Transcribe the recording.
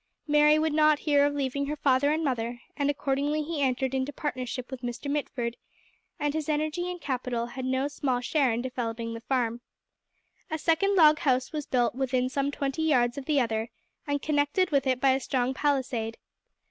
Mary would not hear of leaving her father and mother, and accordingly he entered into partnership with Mr. Mitford, and his energy and capital had no small share in developing the farm. A second log house was built within some twenty yards of the other, and connected with it by a strong palisade.